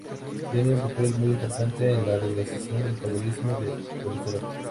Tiene un papel muy importante en la regulación del metabolismo del colesterol.